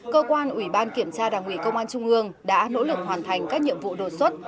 cơ quan ủy ban kiểm tra đảng ủy công an trung ương đã nỗ lực hoàn thành các nhiệm vụ đột xuất